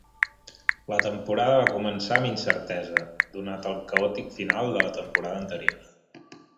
La temporada va començar amb incertesa, donat el caòtic final de la temporada anterior.